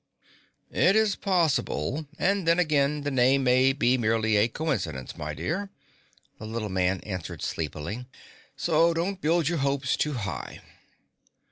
"It is possible, and then again, the name may be merely a coincidence, my dear," the little man answered sleepily, "so don't build your hopes too high."